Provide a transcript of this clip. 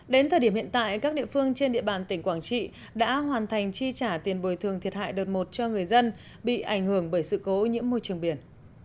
đến thời điểm hiện tại các địa phương trên địa bàn tỉnh quảng trị đã hoàn thành chi trả tiền bồi thường thiệt hại đợt một cho người dân bị ảnh hưởng bởi sự cố nhiễm môi trường biển